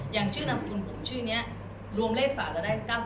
อย่างชื่อนาม์คุณผมชื่อนี้รวมเลขสรรค์เลยได้๙๗